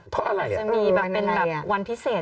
เป็นวันพิเศษ